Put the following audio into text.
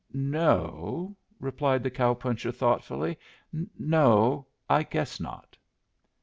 "No," replied the cow puncher, thoughtfully. "No, I guess not."